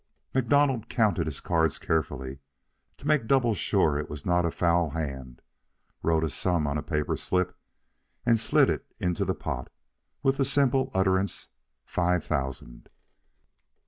MacDonald counted his cards carefully, to make double sure it was not a foul hand, wrote a sum on a paper slip, and slid it into the pot, with the simple utterance: "Five thousand."